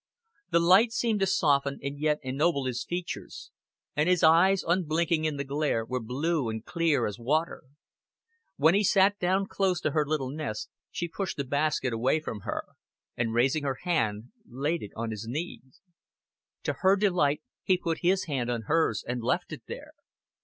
The light seemed to soften and yet ennoble his features, and his eyes, unblinking in the glare, were blue and clear as water. When he sat down close to her little nest she pushed the basket away from her, and raising her hand laid it on his knees. To her delight he put his hand on hers, and left it there.